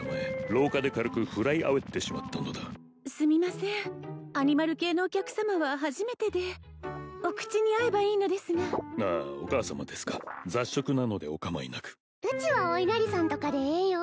廊下で軽くフライアウェってしまったのだすみませんアニマル系のお客様は初めてでお口に合えばいいのですがああお母様ですか雑食なのでお構いなくうちはおいなりさんとかでええよ